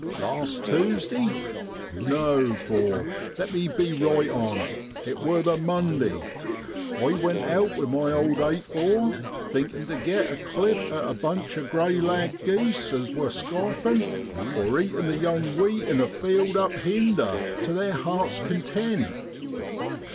Last Tewsday, no, 'bor, let me be right on it it wor the Monday, I went out with my old 8 bore, thinkin' tu git a clip at a bunch of grey lag geese as wor scofnV (eating) the young wheat in a field up hinder (yonder) tu theer hart's con tent.